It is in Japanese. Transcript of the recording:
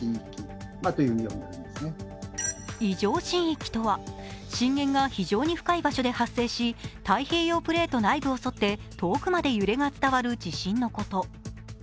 異常震域とは、震源が非常に深い場所で発生し太平洋プレート内部を沿って遠くまで揺れが伝わる地震のこと。